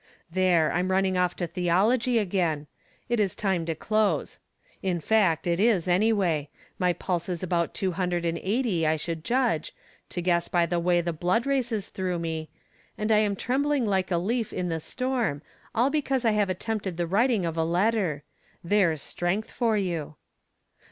There ! I'm running off to theology again. It is time to close. In fact it is anyway. My pulse is about two hundred and eighty, I should judge, to guess'by the way the blood races through me, and I am trembling lilie a leaf in the storm, all because I have attempted the writing of a letter. There's strength for you